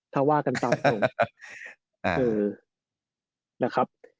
ถ้าว่ากันตามตรง